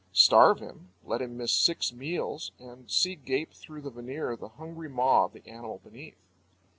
Starve him, let him miss six meals, and see gape through the veneer the hungry maw of the animal beneath.